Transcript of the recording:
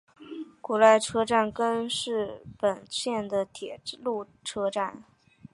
古濑车站根室本线的铁路车站。